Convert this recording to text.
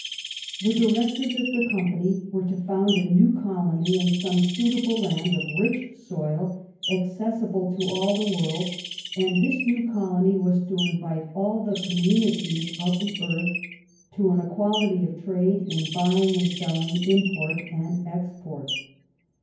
The directors of the company were to found a new colony in some suitable land of rich soil accessible to all the world, and this new colony was to invite all the communities of the 164 THB UNION WITH SCOTLAND earth to an equality of trade in buying and selling, import and export.